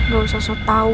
gak usah sok tau